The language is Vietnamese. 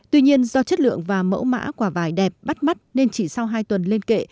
tuy nhiên do chất lượng và mẫu mã quả vải đẹp bắt mắt nên chỉ sau hai tuần lên kệ